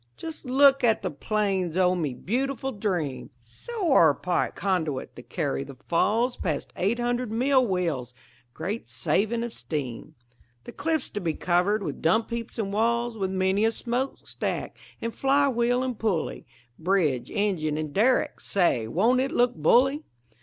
"Just look at the plans o' me beautiful dream! A sewer pipe conduit to carry the Falls Past eight hundred mill wheels (great savin' of steam): The cliffs to be covered with dump heaps and walls, With many a smokestack and fly wheel and pulley, Bridge, engine, and derrick say, won't it look bully!